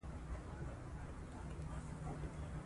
دا ناول د افغانانو مېړانه او غیرت انځوروي.